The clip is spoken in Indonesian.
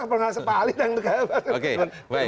yang pernah sepahali